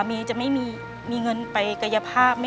เปลี่ยนเพลงเพลงเก่งของคุณและข้ามผิดได้๑คำ